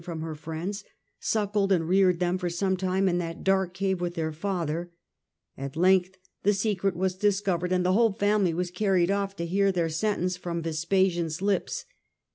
from her friends, suckled and reared them for some time in that dark cave with their father. At length the secret was dis 154 Earlier Empire. a.d. 69 79. covered, and the whole family was carried off to hear their sentence from Vespasian^s lips.